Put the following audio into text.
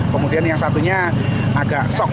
kemudian yang satunya agak sok